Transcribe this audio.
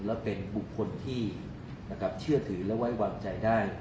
และเป็นบุคคลที่เชื่อถือและไว้วางใจได้